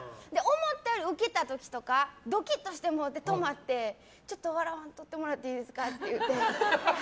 思ったよりウケた時とかドキッとしてもうて止まって、ちょっと笑わなくてもらっていいですかって。